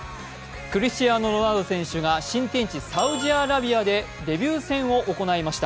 クリスチアーノ・ロナウド選手が新天地サウジアラビアでデビュー戦を行いました。